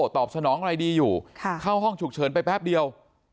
ตอบสนองอะไรดีอยู่เข้าห้องฉุกเฉินไปแป๊บเดียว